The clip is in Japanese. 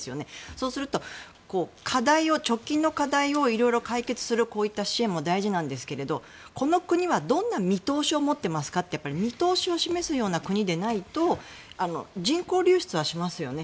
そうすると、直近の課題をいろいろ解決するこういった支援も大事なんですけどこの国はどんな見通しを持っていますかって見通しを示すような国でないと人口流出はしますよね。